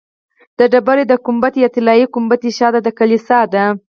د ډبرې د ګنبد یا طلایي ګنبدې شاته د کلیسا ده.